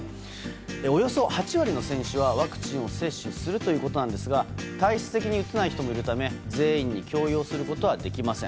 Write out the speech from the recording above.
およそ８割の選手はワクチンを接種するということなんですが体質的に打てない人もいるため全員に強要することはできません。